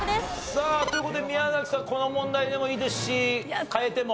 さあという事で宮崎さんこの問題でもいいですし変えても。